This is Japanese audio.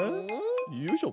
よいしょ。